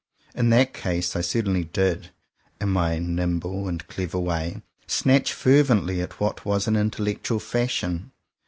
In that case, I certainly did, in my nimble and clever way, snatch fer vently at what was an intellectual fashion.